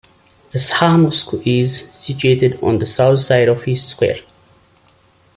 The Shah Mosque is situated on the south side of this square.